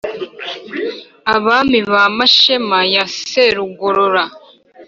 abami ba mashema ya serugorora,